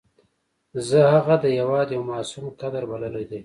زه هغه د هېواد یو معصوم کادر بللی دی.